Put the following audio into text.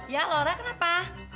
ya laura kenapa